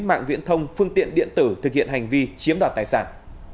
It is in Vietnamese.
mạng viễn thông phương tiện điện tử thực hiện hành vi chiếm đoạt tài sản